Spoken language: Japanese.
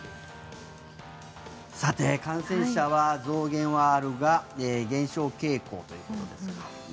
さて、感染者は増減はあるが減少傾向ということですね。